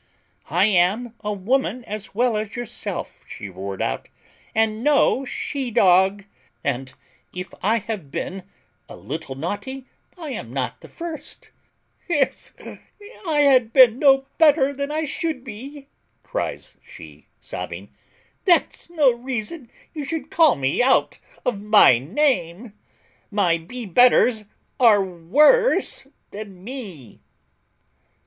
"I am a woman as well as yourself," she roared out, "and no she dog; and if I have been a little naughty, I am not the first; if I have been no better than I should be," cries she, sobbing, "that's no reason you should call me out of my name; my be betters are wo rse than me."